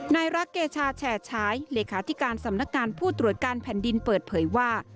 นายรักเกชาแฉฉายเลขาธิการสำนักงานผู้ตรวจการแผ่นดินเปิดเผยว่า